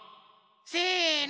せの！